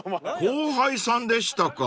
［後輩さんでしたか］